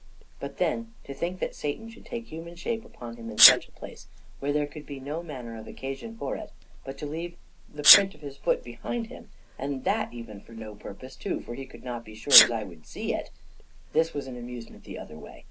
But then, to think that Satan should take human shape upon him in such a place, where there could be no manner of occasion for it, but to leave the print of his foot behind him, and that even for no purpose, too, for he could not be sure I should see it this was an amusement the other way.